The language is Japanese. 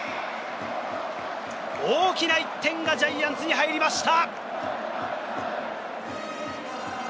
大きな１点がジャイアンツに入りました！